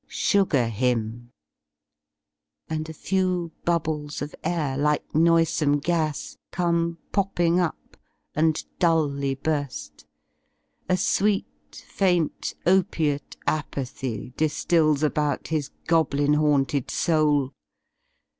Sugar him! And a few bubbles of air, like noisome gas y Come popping upy and dully bur If; a sweet Faint opiate apathy diftils about His goblin haunted soul.